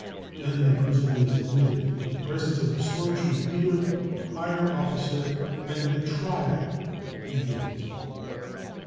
Then the prisoner is admitted to the presence of the storm 1 I troop leader or higher officer, and the " trial " begins.